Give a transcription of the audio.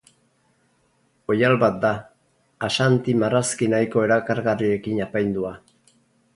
Oihal bat da, Ashanti marrazki nahiko erakargarriekin apaindua.